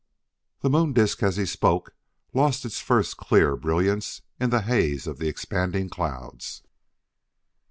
The moon disk, as he spoke, lost its first clear brilliance in the haze of the expanding clouds.